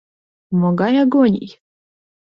Могай агоний?